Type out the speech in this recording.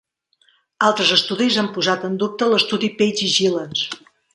Altres estudis han posat en dubte l'estudi Page i Gilens.